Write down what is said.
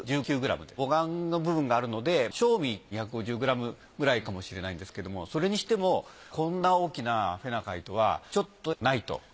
母岩の部分があるので正味２５０ｇくらいかもしれないんですけどもそれにしてもこんな大きなフェナカイトはちょっとないと。